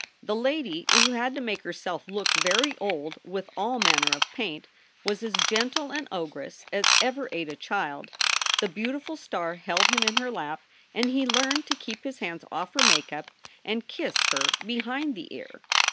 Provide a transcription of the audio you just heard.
The lady who had to make herself look very old with all manner of paint was as gentle an ogress as ever ate a child. The beautiful star held him in her lap, and he learned to keep his hands off her make up and kiss her behind the ear.